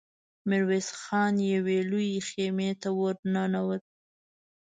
ميرويس خان يوې لويې خيمې ته ور ننوت.